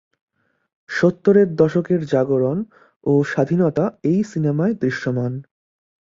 সত্তর দশকের জাগরণ ও স্বাধীনতা এই সিনেমায় দৃশ্যমান।